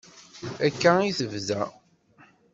Akka i d-tebda.